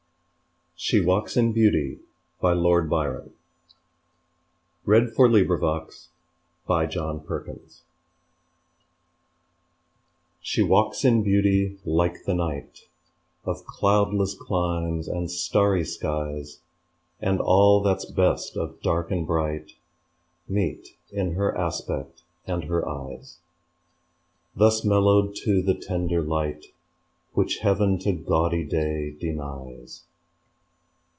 G H . I J . K L . M N . O P . Q R . S T . U V . W X . Y Z She Walks in Beauty SHE walks in beauty like the night Of cloudless climes and starry skies, And all that's best of dark and bright Meet in her aspect and her eyes; Thus mellowed to the tender light Which heaven to gaudy day denies.